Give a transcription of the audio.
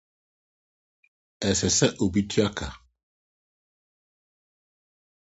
Ɛsɛ sɛ obi tua ka.